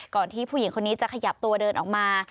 ที่ผู้หญิงคนนี้จะขยับตัวเดินออกมา